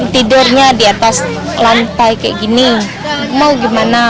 tidurnya di atas lantai kayak gini mau gimana